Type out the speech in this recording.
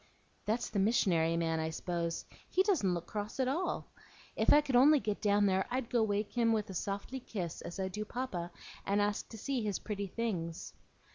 "That's the missionary man, I s'pose. He doesn't look cross at all. If I could only get down there, I'd go and wake him with a softly kiss, as I do Papa, and ask to see his pretty things."